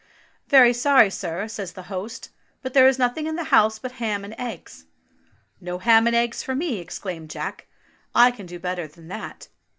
"Very sorry, sir," says the host, "but there is nothing in the house but ham and eggs." "No ham and eggs for me!" exclaimed Jack. "I can do better than that.